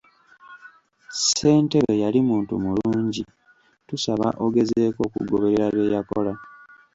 Ssentebe yali muntu mulungi tusaba ogezeeko okugoberera bye yakola.